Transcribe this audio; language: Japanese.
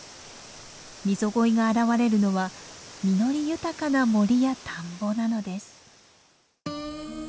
ミゾゴイが現れるのは実り豊かな森や田んぼなのです。